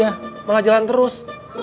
ya malah jalan terus